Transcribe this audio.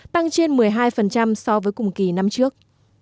tăng trên một mươi hai so với cùng kỳ năm trước